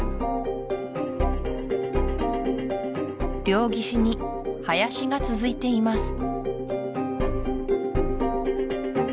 両岸に林が続いています